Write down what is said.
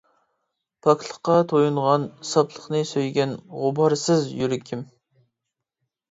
پاكلىققا تويۇنغان، ساپلىقنى سۆيگەن، غۇبارسىز يۈرىكىم!